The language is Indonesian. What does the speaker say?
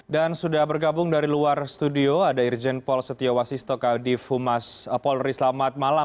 dan sudah bergabung dari luar studio ada irjen pol setiawasi stokadif humas polri selamat malam